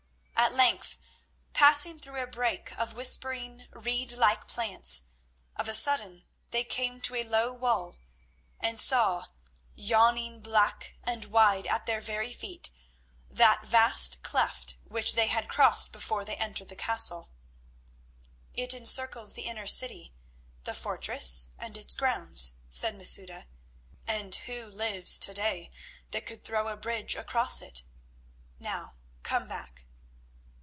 At length, passing through a brake of whispering, reed like plants, of a sudden they came to a low wall, and saw, yawning black and wide at their very feet, that vast cleft which they had crossed before they entered the castle. "It encircles the inner city, the fortress, and its grounds," said Masouda; "and who lives to day that could throw a bridge across it? Now come back."